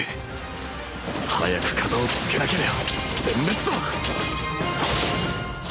早く片を付けなけりゃ全滅だ